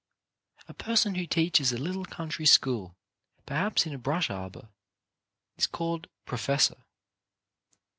A person who teaches a little country school, perhaps in a brush arbour, is called " Professor.